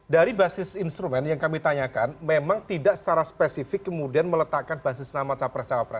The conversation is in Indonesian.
dari basis instrumen yang kami tanyakan memang tidak secara spesifik kemudian meletakkan basis nama capres capres